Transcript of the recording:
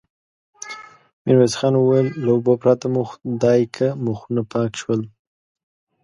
ميرويس خان وويل: له اوبو پرته مو خدايکه مخونه پاک شول.